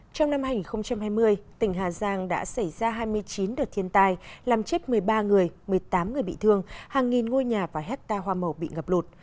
trong năm hai nghìn hai mươi tỉnh hà giang đã xảy ra hai mươi chín đợt thiên tai làm chết một mươi ba người một mươi tám người bị thương hàng nghìn ngôi nhà và hectare hoa màu bị ngập lụt